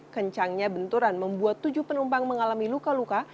kencangnya benturan membuat tujuh penumpang mengalami luka luka